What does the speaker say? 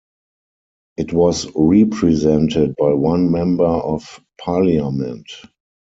It was represented by one Member of Parliament.